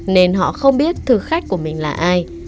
nên họ không biết thực khách của mình là ai